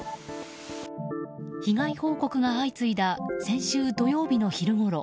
被害報告が相次いだ先週土曜日の昼ごろ